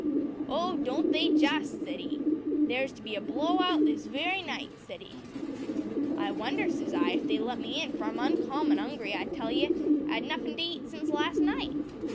`Oh! don't they, just!' said 'e. `There's to be a blow hout this wery night,' said 'e. `I wonder,' says I, `if they'd let me in, for I'm uncommon 'ungry, I tell you; 'ad nuffin' to heat since last night.'